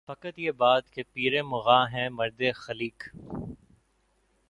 فقط یہ بات کہ پیر مغاں ہے مرد خلیق